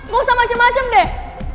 gak usah macem macem deh